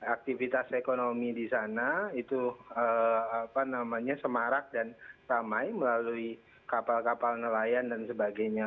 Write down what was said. aktivitas ekonomi di sana itu semarak dan ramai melalui kapal kapal nelayan dan sebagainya